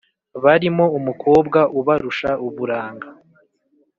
Barimo Umukobwa ubarusha uburanga